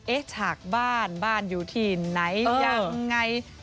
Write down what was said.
ฉากบ้านบ้านอยู่ที่ไหนยังไง